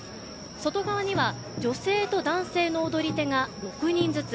外側には女性と男性の踊り手が６人ずつ。